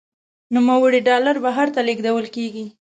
نوموړي ډالر بهر ته لیږدول کیږي.